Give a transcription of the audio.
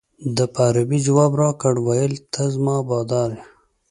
ده په عربي جواب راکړ ویل ته زما بادار یې.